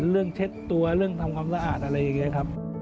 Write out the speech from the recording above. เช็ดตัวเรื่องทำความสะอาดอะไรอย่างนี้ครับ